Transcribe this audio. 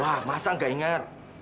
wah masa ga inget